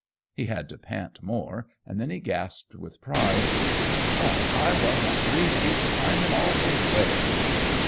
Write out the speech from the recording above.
He had to pant more, and then he gasped with pride: "But I wasn't three feet behind him all the way!"